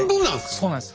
そうなんです。